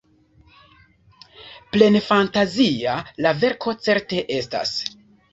Plenfantazia la verko certe estas.